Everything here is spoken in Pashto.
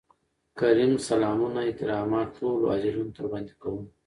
کريم : سلامونه احترامات ټولو حاضرينو ته وړاندې کوم.